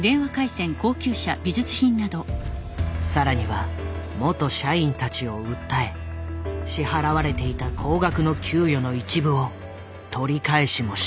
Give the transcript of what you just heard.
更には元社員たちを訴え支払われていた高額の給与の一部を取り返しもした。